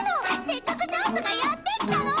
せっかくチャンスがやってきたの！